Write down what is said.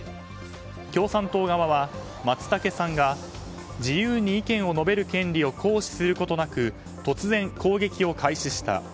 共産党側は、松竹さんが自由に意見を述べる権利を行使することなく突然、攻撃を開始した。